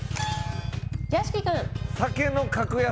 屋敷君。